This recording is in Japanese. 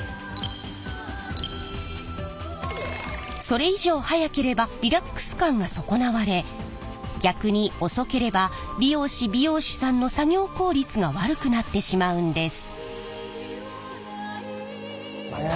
それ以上速ければリラックス感が損なわれ逆に遅ければ理容師・美容師さんの作業効率が悪くなってしまうんです。